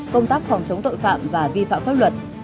công tác phòng chống tội phạm và vi phạm pháp luật